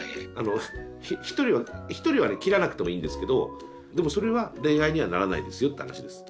切らなくてもいいんですけどでもそれは恋愛にはならないですよって話です。